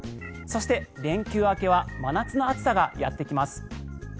そして、連休明けは真夏の暑さがやってきます。